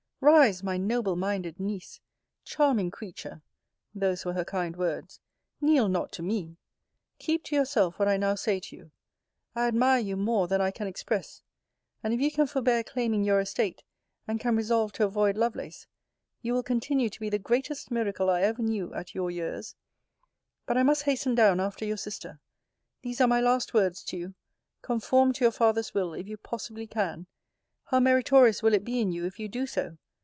Rise, my noble minded Niece! Charming creature! [those were her kind words] kneel not to me! Keep to yourself what I now say to you. I admire you more than I can express and if you can forbear claiming your estate, and can resolve to avoid Lovelace, you will continue to be the greatest miracle I ever knew at your years but I must hasten down after your sister. These are my last words to you: 'Conform to your father's will, if you possibly can. How meritorious will it be in you if you do so!